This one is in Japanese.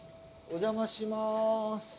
お邪魔します。